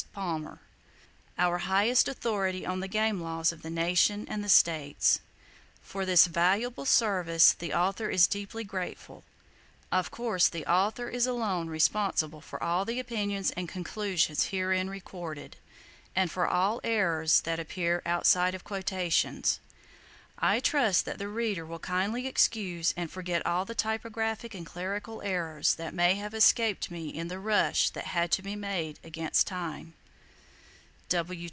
Palmer, our highest authority on the game laws of the Nation and the States. For this valuable service the author is deeply grateful. Of course the author is alone responsible for all the opinions and conclusions herein recorded, and for all errors that appear outside of quotations. I trust that the Reader will kindly excuse and forget all the typographic and clerical errors that may have escaped me in the rush that had to be made against Time.